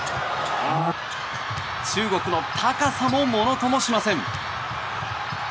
中国の高さもものともしません。